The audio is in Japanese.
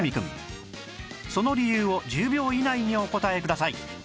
その理由を１０秒以内にお答えください